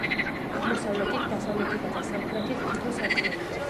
აღმოსავლეთით, დასავლეთითა და სამხრეთით თითო სარკმელია.